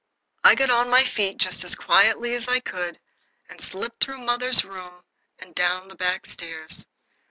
I got on my feet just as quietly as I could, and slipped through mother's room and down the back stairs.